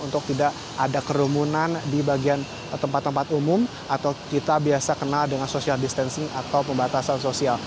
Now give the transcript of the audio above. untuk tidak ada kerumunan di bagian tempat tempat umum atau kita biasa kenal dengan social distancing atau pembatasan sosial